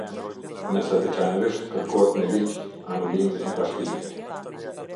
Nëse veçanërisht kërkohet me ligj, anulimi i bashkimit.